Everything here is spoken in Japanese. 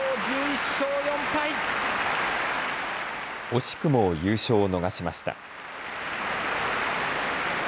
惜しくも優勝を逃しました。